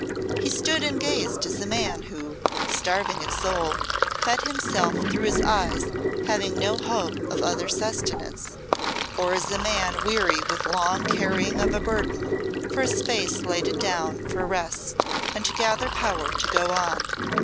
He stood and gazed as a man who, starving at soul, fed himself through his eyes, having no hope of other sustenance, or as a man weary with long carrying of a burden, for a space laid it down for rest and to gather power to go on.